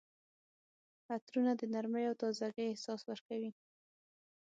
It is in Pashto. عطرونه د نرمۍ او تازګۍ احساس ورکوي.